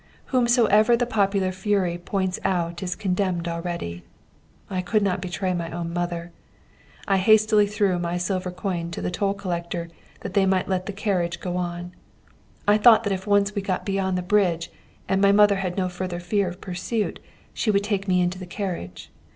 Whomsoever the popular fury points out is condemned already. I could not betray my own mother. I hastily threw my silver coin to the toll collector that they might let the carriage go on. I thought that if once we got beyond the bridge, and my mother had no further fear of pursuit, she would take me into the carriage.